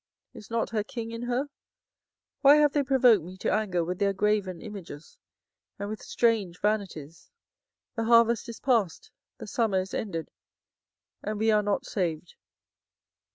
is not her king in her? Why have they provoked me to anger with their graven images, and with strange vanities? 24:008:020 The harvest is past, the summer is ended, and we are not saved.